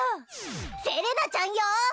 セレナちゃんよ！